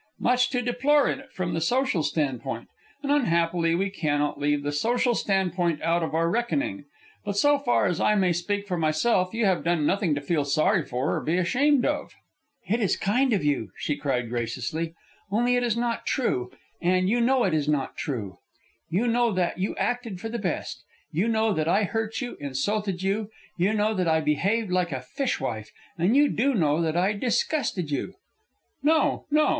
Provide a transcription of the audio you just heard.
"Much to deplore in it from the social stand point. And unhappily, we cannot leave the social stand point out of our reckoning. But so far as I may speak for myself, you have done nothing to feel sorry for or be ashamed of." "It is kind of you," she cried, graciously. "Only it is not true, and you know it is not true. You know that you acted for the best; you know that I hurt you, insulted you; you know that I behaved like a fish wife, and you do know that I disgusted you " "No, no!"